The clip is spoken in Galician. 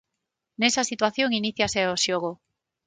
Nesa situación iníciase o xogo.